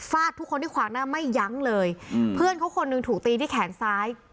ทุกคนที่ขวางหน้าไม่ยั้งเลยอืมเพื่อนเขาคนหนึ่งถูกตีที่แขนซ้าย